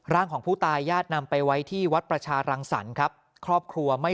ร่างของผู้ตายญาตินำไปไว้ที่วัดประชารังสรรค์ครับครอบครัวไม่